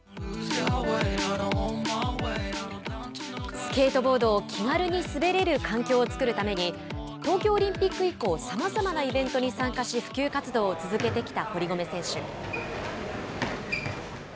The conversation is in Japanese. スケートボードを気軽に滑れる環境を作るために、東京オリンピック以降、さまざまなイベントに参加し、普及活動を続けてきた堀米選手。